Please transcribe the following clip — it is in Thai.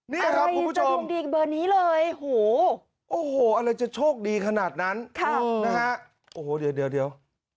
นี่ครับคุณผู้ชมโอ้โหอะไรจะโชคดีขนาดนั้นนะฮะโอ้โหเดี๋ยว